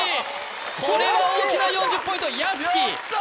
これは大きな４０ポイント屋敷やった！